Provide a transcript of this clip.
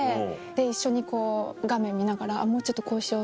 一緒に画面見ながらもうちょっとこうしよう